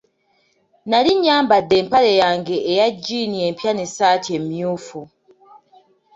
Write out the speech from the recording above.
Nnali nyambade empale yange eya jjiini empya n'essaati emmyufu.